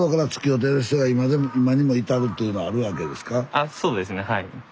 あっそうですねはい。